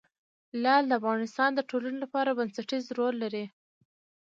لعل د افغانستان د ټولنې لپاره بنسټيز رول لري.